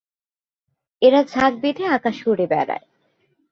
এরা ঝাঁক বেঁধে আকাশে উড়ে বেড়ায়।